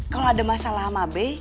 kalau ada masalah sama b